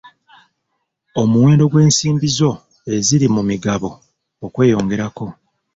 Omuwendo gw'ensimbi zo eziri mu migabo okweyongerako.